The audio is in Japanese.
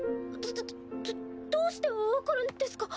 どどどどうして分かるんですか？